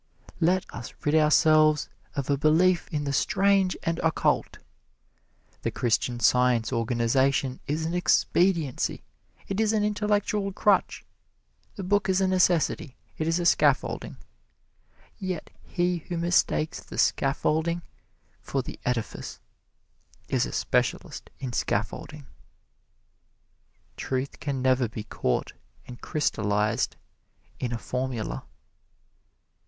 Let us rid ourselves of a belief in the strange and occult! The Christian Science organization is an expediency. It is an intellectual crutch. The book is a necessity. It is a scaffolding. Yet he who mistakes the scaffolding for the edifice is a specialist in scaffolding. Truth can never be caught and crystallized in a formula.